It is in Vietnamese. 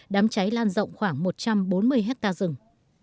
đám cháy lan rộng khoảng một trăm bốn mươi hectare rừng